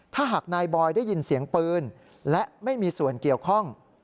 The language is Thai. ถ้าหากนายบอยได้ยินเสียงปืนและไม่มีส่วนเกี่ยวข้อง